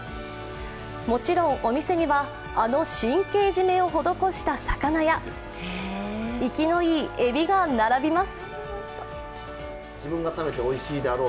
もちろんお店にはあの神経締めを施した魚や、生きのいいエビが並びます。